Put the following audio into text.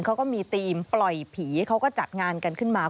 เขาก็มีธีมปล่อยผีเขาก็จัดงานกันขึ้นมา